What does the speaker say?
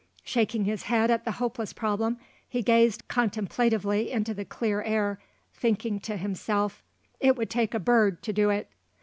Shaking his head at the hopeless problem he gazed contemplatively into the clear air, thinking to himself: "It would take a bird to do it."